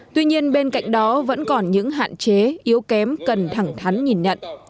tuy nhiên bên cạnh đó vẫn còn những hạn chế yếu kém cần thẳng thắn nhìn nhận